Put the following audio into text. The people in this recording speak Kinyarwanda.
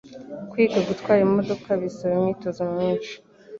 Kwiga gutwara imodoka bisaba imyitozo myinshi